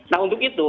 nah untuk itu